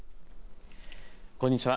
こんにちは。